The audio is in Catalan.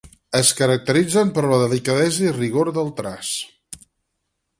Es caracteritzen per la delicadesa i rigor del traç.